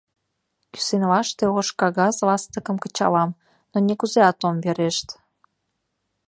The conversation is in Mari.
Кӱсенлаште ош кагаз ластыкым кычалам, но нигузеат ом верешт.